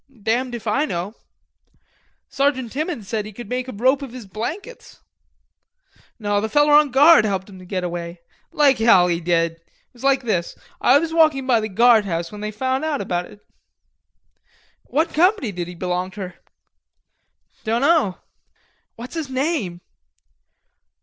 "Damned if I know." "Sergeant Timmons said he made a rope of his blankets." "No, the feller on guard helped him to get away." "Like hell he did. It was like this. I was walking by the guardhouse when they found out about it." "What company did he belong ter?" "Dunno." "What's his name?"